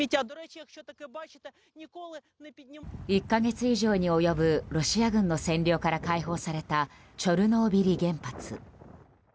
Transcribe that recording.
１か月以上に及ぶロシア軍の占領から解放されたチョルノービリ原発。